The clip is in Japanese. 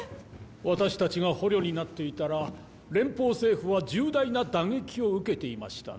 私たちが捕虜になっていたら連邦政府は重大な打撃を受けていましたな。